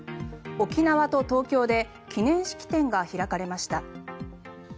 沖縄と東京で記念式典が開かれました。